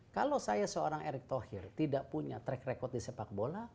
kalau saya seorang erick thohir tidak punya track record di sepak bola